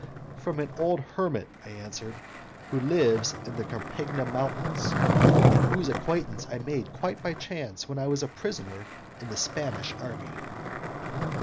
"From an old hermit," I answered, "who lives on the Carpegna Mountain, and whose acquaintance I made quite by chance when I was a prisoner in the Spanish army."